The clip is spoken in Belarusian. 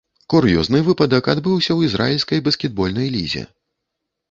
Кур'ёзны выпадак адбыўся ў ізраільскай баскетбольнай лізе.